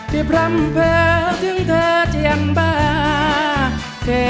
ที่พร้ำเผลอถึงเธอจะยังบ้า